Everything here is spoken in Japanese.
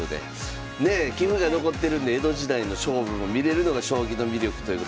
棋譜が残ってるんで江戸時代の勝負も見れるのが将棋の魅力ということで。